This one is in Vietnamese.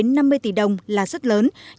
nhưng năm nay có những vụ thiệt hại lên tới